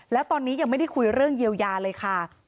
แล้วตอนนี้ยังไม่ได้คุยเรื่องเยียวยาเลยค่ะ